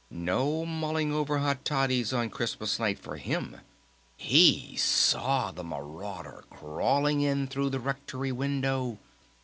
No mulling over hot toddies on Christmas night for him! He saw the marauder crawling in through the Rectory window!